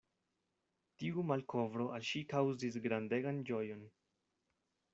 Tiu malkovro al ŝi kaŭzis grandegan ĝojon.